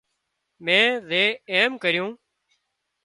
مين زي ايم ڪريون